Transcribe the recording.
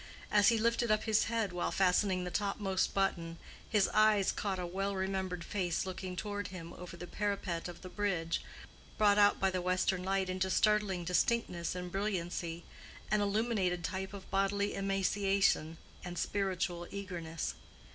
As he lifted up his head while fastening the topmost button his eyes caught a well remembered face looking toward him over the parapet of the bridge—brought out by the western light into startling distinctness and brilliancy—an illuminated type of bodily emaciation and spiritual eagerness.